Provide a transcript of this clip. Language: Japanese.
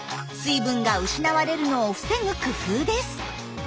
水分が失われるのを防ぐ工夫です。